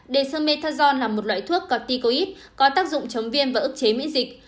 dexamethasone là một loại thuốc corticoid có tác dụng chống viêm và ức chế miễn dịch